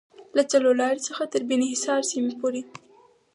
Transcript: له څلورلارې څخه تر بیني حصار سیمې پورې